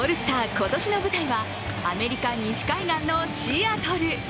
今年の舞台はアメリカ西海岸のシアトル。